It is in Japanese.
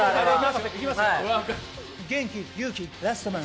元気、勇気、ラストマン！